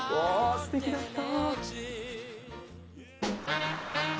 すてきだった。